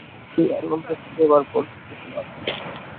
সেই আনন্দ থেকে এবার বঞ্চিত হলাম।